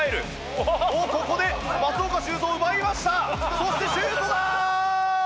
そしてシュートだ！